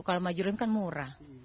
kalau majurohim kan murah